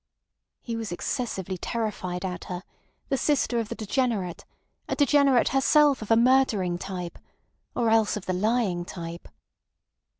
He was excessively terrified at her—the sister of the degenerate—a degenerate herself of a murdering type ... or else of the lying type.